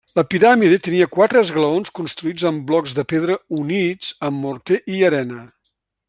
La piràmide tenia quatre esglaons construïts amb blocs de pedra units amb morter i arena.